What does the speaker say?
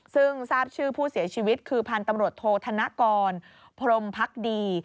ซึ่งทราบชื่อผู้เสียชีวิตคือพันธุ์ตำรวจโทษธนกรพรมพักดี